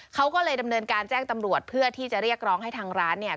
เขาก็เลยดำเนินการแจ้งตำรวจเพื่อที่จะเรียกร้องให้ทางร้านเนี่ย